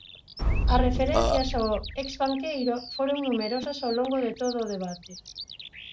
As referencias ao ex banqueiro foron numerosas ao longo de todo o debate.